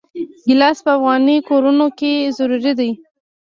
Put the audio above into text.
ګیلاس په افغاني کورونو کې ضروري دی.